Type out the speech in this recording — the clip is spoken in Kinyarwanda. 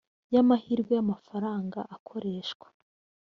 y amahirwe y amafaranga akoreshwa